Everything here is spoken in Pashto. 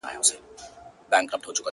• یو بلبل وو د ښکاري دام ته لوېدلی ,